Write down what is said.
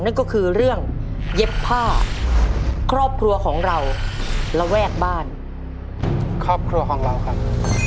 นั่นก็คือเรื่องเย็บผ้าครอบครัวของเราระแวกบ้านครอบครัวของเราครับ